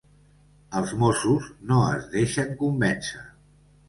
Els Mossos no es deixen convèncer.